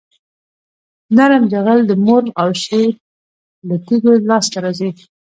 نرم جغل د مورم او شیل له تیږو لاسته راځي